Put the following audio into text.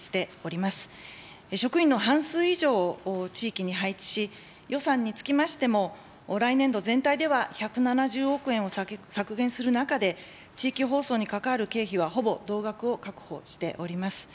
職員の半数以上を地域に配置し、予算につきましても来年度全体では１７０億円を削減する中で、地域放送にかかる経費はほぼ同額を確保しております。